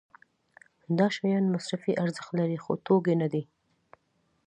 دا شیان مصرفي ارزښت لري خو توکي نه دي.